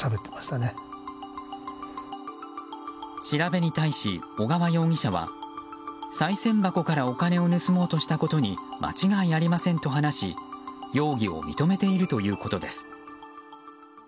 調べに対し、小川容疑者はさい銭箱からお金を盗もうとしたことに間違いありませんと話し容疑を認めているということです。